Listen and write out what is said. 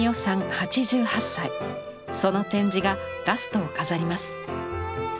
８８歳その展示がラストを飾ります。